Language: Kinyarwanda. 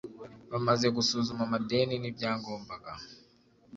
bamaze gusuzuma amadeni n ibyagombaga